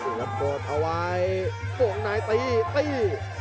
สวัสดีครับโปรดเอาไว้ตรงไหนตีตี